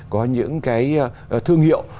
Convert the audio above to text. có những cái thương hiệu